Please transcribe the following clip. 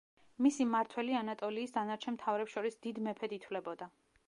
მისი მმართველი ანატოლიის დანარჩენ „მთავრებს“ შორის „დიდ მეფედ“ ითვლებოდა.